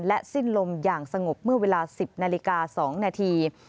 สิ้นลมอย่างสงบเมื่อเวลา๑๐นาฬิกา๒นาที